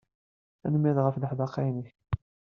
Tanemmirt ɣef leḥdaqa-inek.